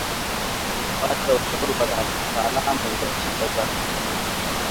Pata ushauri wa wataalamu wa tiba za mifugo